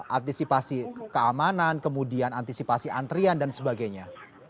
antisipasi keamanan kemudian antisipasi antrian dan sebagainya